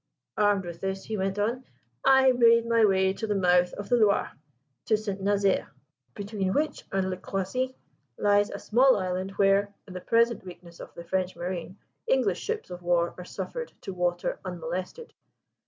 "Armed with this," he went on, "I made my way to the mouth of the Loire, to St. Nazaire, between which and Le Croisic lies a small island where, in the present weakness of the French marine, English ships of war are suffered to water unmolested.